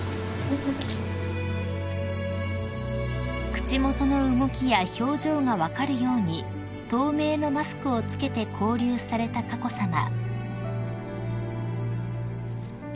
［口元の動きや表情が分かるように透明のマスクを着けて交流された佳子さま］